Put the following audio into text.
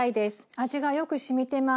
味がよくしみてます。